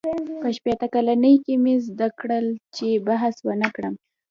• په شپېته کلنۍ کې مې زده کړل، چې بحث ونهکړم.